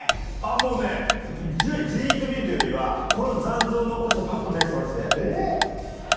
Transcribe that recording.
もうねじっと見るというよりはこの残像を残してぱっと目をそらして。